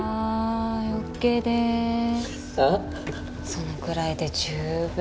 そのくらいで十分。